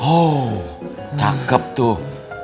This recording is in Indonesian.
oh cakep tuh